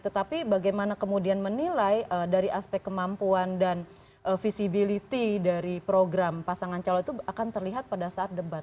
tetapi bagaimana kemudian menilai dari aspek kemampuan dan visibility dari program pasangan calon itu akan terlihat pada saat debat